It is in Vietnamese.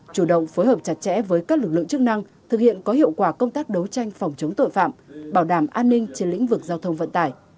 chủ động phối hợp chặt chẽ với các lực lượng chức năng thực hiện có hiệu quả công tác đấu tranh phòng chống tội phạm bảo đảm an ninh trên lĩnh vực giao thông vận tải